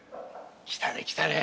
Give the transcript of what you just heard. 来たね来たね。